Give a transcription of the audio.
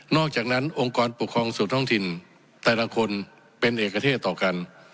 อกจากนั้นองค์กรปกครองส่วนท้องถิ่นแต่ละคนเป็นเอกเทศต่อกัน